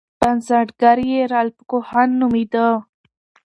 بنسټګر یې رالف کوهن نومیده.